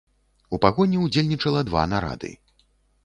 У пагоні ўдзельнічала два нарады.